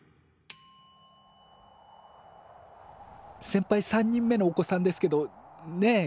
せんぱい３人目のお子さんですけどねえ